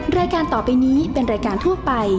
แม่บ้านประจันบรรดิ์